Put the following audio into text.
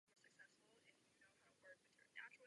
Naším úkolem je nyní obnovit mezi těmito společenstvími mosty.